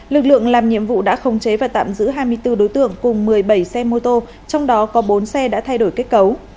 lực lượng làm nhiệm vụ đã khống chế và tạm giữ hai mươi bốn đối tượng cùng một mươi bảy xe mô tô trong đó có bốn xe đã thay đổi kết cấu